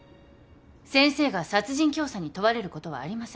先生が殺人教唆に問われることはありません。